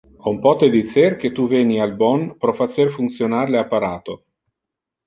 On pote dicer que tu veni al bon pro facer functionar le apparato.